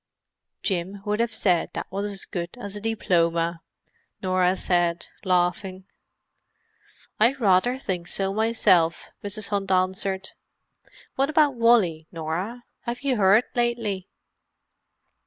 "Jim would have said that was as good as a diploma," Norah said, laughing. "I rather think so, myself," Mrs. Hunt answered. "What about Wally, Norah? Have you heard lately?"